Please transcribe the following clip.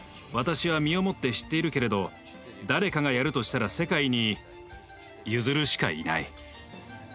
私は身をもって知っているけれど誰かがやるとしたら世界にユヅルしかいない。